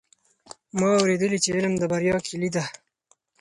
ما اورېدلي چې علم د بریا کیلي ده.